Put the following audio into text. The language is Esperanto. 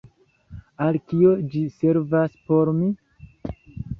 Al kio ĝi servas por mi?